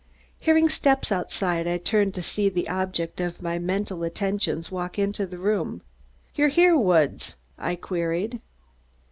Hearing steps outside, I turned to see the object of my mental attentions walk into the room. "You here, Woods?" I queried.